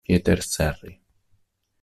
Pieter Serry